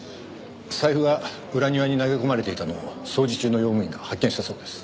財布が裏庭に投げ込まれていたのを掃除中の用務員が発見したそうです。